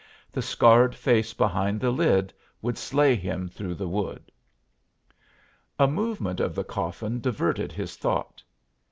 The scarred face behind the lid would slay him through the wood. A movement of the coffin diverted his thought.